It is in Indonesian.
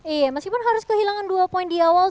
iya meskipun harus kehilangan dua poin di awal